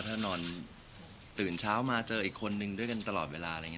ถ้านอนตื่นเช้ามาเจออีกคนนึงด้วยกันตลอดเวลาอะไรอย่างนี้